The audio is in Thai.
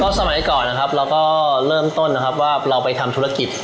ก็สมัยก่อนเราก็เริ่มต้นว่าเราไปทำธุรกิจ